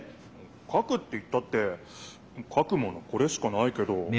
かくって言ったってかくものこれしかないけど？